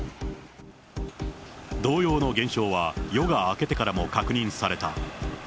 同様の現象は夜が明けてからも確認された。